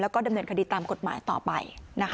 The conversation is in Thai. แล้วก็ดำเนินคดีตามกฎหมายต่อไป